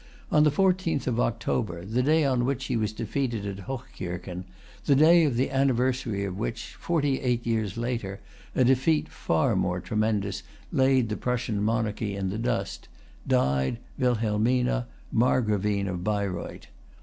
On the fourteenth of October, the day on which he was defeated at Hochkirchen, the day on the anniversary of which, forty eight years later, a defeat far more tremendous laid the Prussian monarchy in the dust, died Wilhelmina, Margravine of Baireuth.